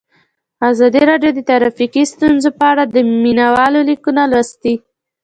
ازادي راډیو د ټرافیکي ستونزې په اړه د مینه والو لیکونه لوستي.